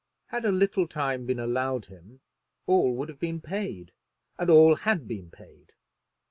Had a little time been allowed him all would have been paid; and all had been paid.